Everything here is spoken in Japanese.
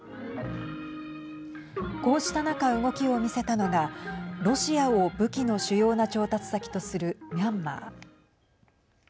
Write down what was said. こうした中、動きを見せたのがロシアを武器の主要な調達先とするミャンマー。